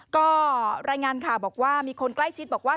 ก็รายงานข่าวบอกว่ามีคนใกล้ชิดบอกว่า